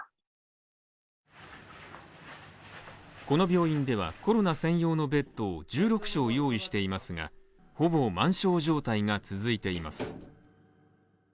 この病院ではコロナ専用のベッドを１６床用意していますが、ほぼ満床状態が続いています。